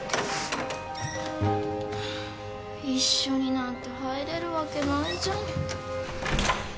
一緒になんて入れるわけないじゃん。